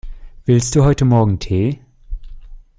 Willst du heute morgen Tee?